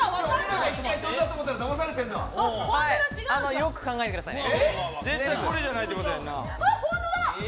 よく考えてくださいね。